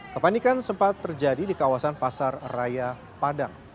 kepanikan sempat terjadi di kawasan pasar raya padang